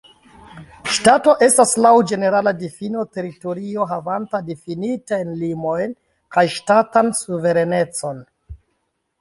Ŝtato estas laŭ ĝenerala difino teritorio havanta difinitajn limojn kaj ŝtatan suverenecon.